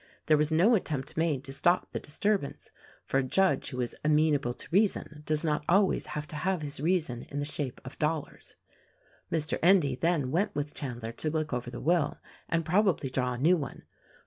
There was no attempt made to stop the disturbance, for a judge who is "Amenable to Reason" does not always have to have his reason in the shape of dollars. Mr. Endy then went with Chandler to look over the will and probably draw a new one.